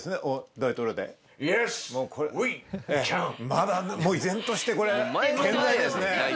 まだ依然としてこれ健在ですね。